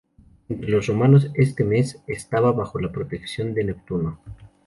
Entre los romanos este mes estaba bajo la protección de Neptuno.